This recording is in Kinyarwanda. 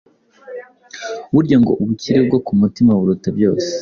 Burya ngo ubukire bwo kumutima buruta byose